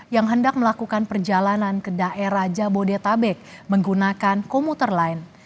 yang hendak melakukan perjalanan ke daerah jabodetabek menggunakan komuter lain